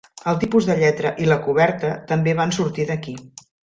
El tipus de lletra i la coberta també van sortir d'aquí.